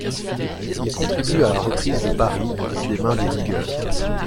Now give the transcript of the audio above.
Il contribue à la reprise de Paris des mains des Ligueurs.